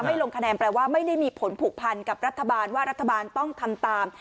ลงคะแนนแปลว่าไม่ได้มีผลผูกพันกับรัฐบาลว่ารัฐบาลต้องทำตาม